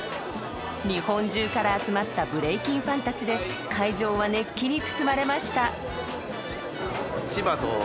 日本中から集まったブレイキンファンたちで会場は熱気に包まれました。